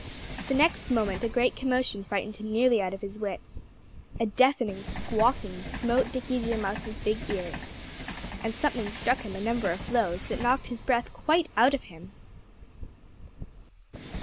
The next moment a great commotion frightened him nearly out of his wits. A deafening squawking smote Dickie Deer Mouse's big ears. And something struck him a number of blows that knocked his breath quite out of him.